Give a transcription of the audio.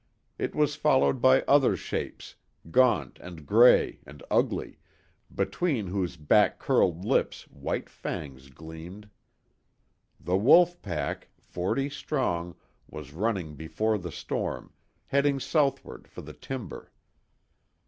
It was followed by other shapes gaunt, and grey, and ugly, between whose back curled lips white fangs gleamed. The wolf pack, forty strong, was running before the storm, heading southward for the timber.